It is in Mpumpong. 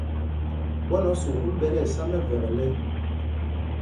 Ɓwán o sukûl ɓɛ tí ɛsá mɛvekle.